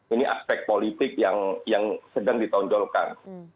ini aspek politik yang sedang ditonjolkan